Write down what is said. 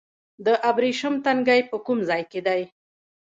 د ابریشم تنګی په کوم ځای کې دی؟